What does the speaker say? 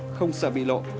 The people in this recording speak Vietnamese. không sợ bị lộ